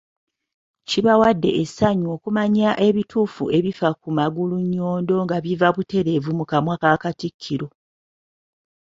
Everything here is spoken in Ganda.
Kkibawadde essanyu okumanya ebituufu ebifa ku Magulunnyondo nga biva buteerevu mu kamwa ka Katikkiro